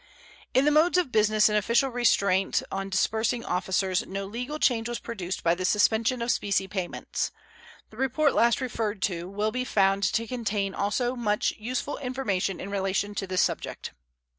In the modes of business and official restraints on disbursing officers no legal change was produced by the suspension of specie payments. The report last referred to will be found to contain also much useful information in relation to this subject.